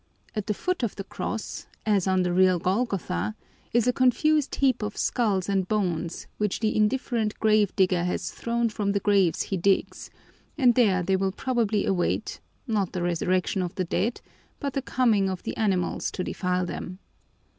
At the foot of the cross, as on the real Golgotha, is a confused heap of skulls and bones which the indifferent grave digger has thrown from the graves he digs, and there they will probably await, not the resurrection of the dead, but the coming of the animals to defile them.